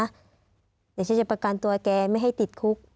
เดี๋ยวฉันจะประกันตัวแกไม่ให้ติดคุก